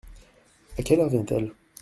À quelle heure vient-elle ?